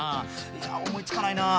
いや思いつかないな。